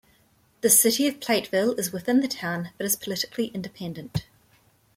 The city of Platteville is within the town, but is politically independent.